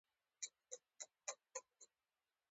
روزنیز پروګرامونه مهم دي